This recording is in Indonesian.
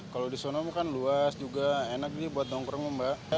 kalau disini kan luas juga enak buat nongkrong mbak